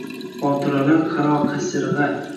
Xotiralar qaro qasirgʼa